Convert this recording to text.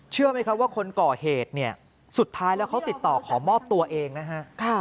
เชื่อไหมครับว่าคนก่อเหตุเนี่ยสุดท้ายแล้วเขาติดต่อขอมอบตัวเองนะฮะ